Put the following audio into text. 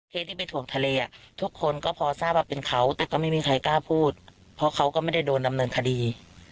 ที่ไปถ่วงทะเลอ่ะทุกคนก็พอทราบว่าเป็นเขาแต่ก็ไม่มีใครกล้าพูดเพราะเขาก็ไม่ได้โดนดำเนินคดี